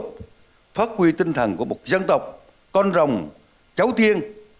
tiếp tục phát huy tinh thần của một dân tộc con rồng cháu thiên